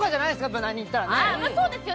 無難にいったら。